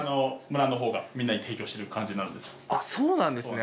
そうなんですね。